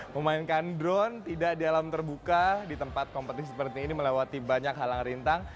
memainkan drone tidak di alam terbuka di tempat kompetisi seperti ini melewati banyak halang rintang